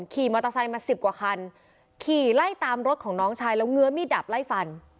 ขี่มอเตอร์ไซค์มาสิบกว่าคันขี่ไล่ตามรถของน้องชายแล้วเงื้อมีดดับไล่ฟัน